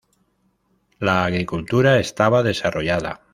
La agricultura estaba desarrollada.